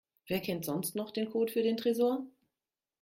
Wer kennt sonst noch den Code für den Tresor?